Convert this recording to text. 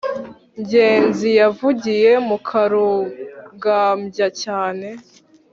ngenzi yavugiye mukarugambwa cyane